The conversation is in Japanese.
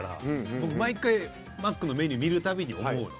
僕毎回「マック」のメニュー見る度に思うの。